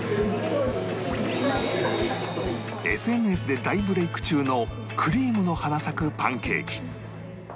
ＳＮＳ で大ブレイク中のクリームの花咲くパンケーキ